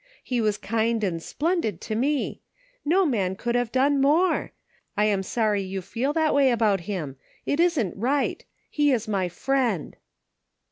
He was kind and splendid to me! No man could have done more! I am sorry you feel that way about him. It isn't right ! He is my friend